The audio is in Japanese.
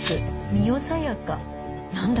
「深世小夜香」なんだ？